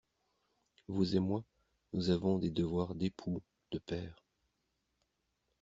Vous et moi, nous avons des devoirs d'époux, de pères.